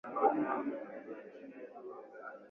sasa unaathiri watu katika nchi zenye chumi za